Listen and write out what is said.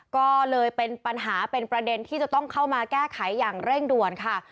ก็เลยเป็นปัญหาเป็นประเด็นที่จะต้องเข้ามาแก้ไขอย่างเร่งด่วนค่ะ